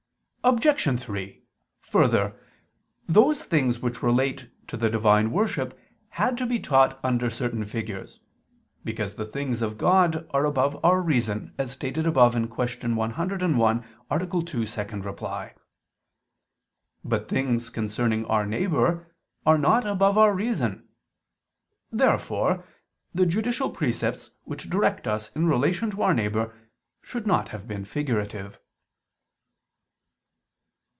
Obj. 3: Further, those things which relate to the divine worship had to be taught under certain figures, because the things of God are above our reason, as stated above (Q. 101, A. 2, ad 2). But things concerning our neighbor are not above our reason. Therefore the judicial precepts which direct us in relation to our neighbor should not have been figurative.